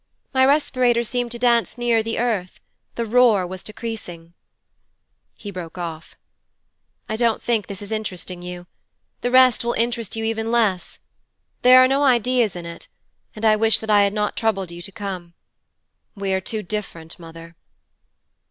My respirator seemed to dance nearer the earth; the roar was decreasing.' He broke off. 'I don't think this is interesting you. The rest will interest you even less. There are no ideas in it, and I wish that I had not troubled you to come. We are too different, mother.'